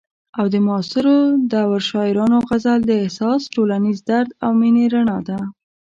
او د معاصر دور شاعرانو غزل د احساس، ټولنیز درد او مینې رڼا ده.